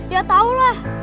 ya tau lah